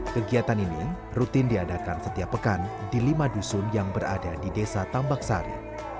kegiatan ini rutin diadakan setiap pekan di lima dusun yang berada di desa tambak sari